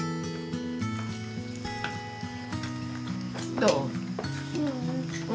どう？